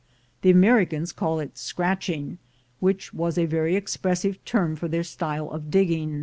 The Americans called it "scratch ing," which was a very expressive term for their style of digging.